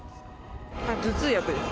頭痛薬です。